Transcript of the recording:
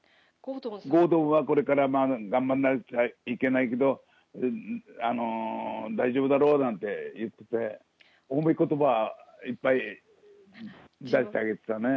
郷敦は、これから頑張んなきゃいけないけど、大丈夫だろうなんて言ってて、褒めことばいっぱい出してあげてたね。